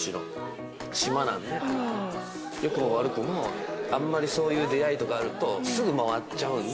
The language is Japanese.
島なんで良くも悪くもあんまりそういう出会いとかあるとすぐ回っちゃうんで。